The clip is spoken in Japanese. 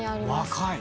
若い。